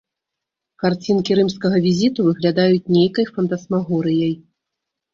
Карцінкі рымскага візіту выглядаюць нейкай фантасмагорыяй.